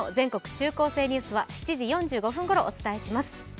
中高生ニュース」は７時４５分ごろお伝えします。